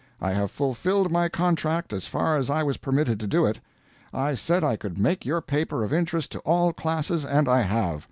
I have fulfilled my contract as far as I was permitted to do it. I said I could make your paper of interest to all classes and I have.